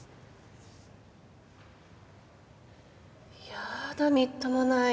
やだみっともない。